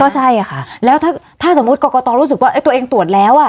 ใช่ค่ะแล้วถ้าสมมุติกรกตรู้สึกว่าตัวเองตรวจแล้วอ่ะ